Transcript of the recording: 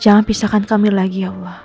jangan pisahkan kami lagi ya allah